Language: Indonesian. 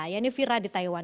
ini vira di taiwan